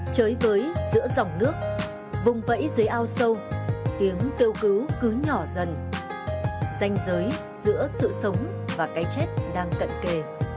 chới với giữa dòng nước vùng vẫy dưới ao sâu tiếng kêu cứu cứ nhỏ dần danh giới giữa sự sống và cái chết đang cận kề